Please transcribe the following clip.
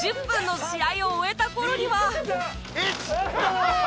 １０分の試合を終えた頃には。